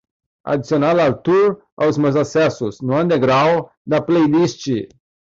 Adicionar LaTour aos meus acessos no underground da playlist.